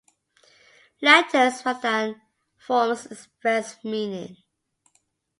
Letters rather than forms express meaning.